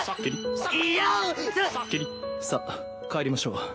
さあ帰りましょう。